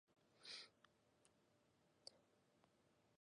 引き続き株主総会会場におきまして、会社説明会を開催いたします